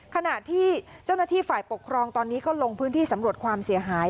ขณะที่เจ้าหน้าที่ฝ่ายปกครองตอนนี้ก็ลงพื้นที่สำรวจความเสียหาย